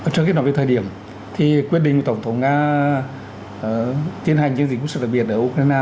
trước khi nói về thời điểm thì quyết định của tổng thống nga tiến hành chiến dịch quân sự đặc biệt ở ukraine